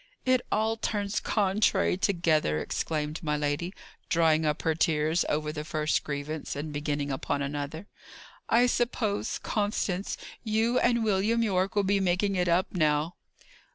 "It all turns contrary together!" exclaimed my lady, drying up her tears over the first grievance, and beginning upon another. "I suppose, Constance, you and William Yorke will be making it up now."